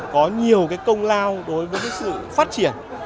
có nhiều công lao đối với sự phát triển